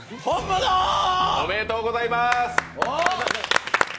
おめでとうございます。